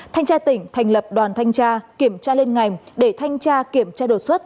thanh tra tỉnh thành lập đoàn thanh tra kiểm tra lên ngành để thanh tra kiểm tra đột xuất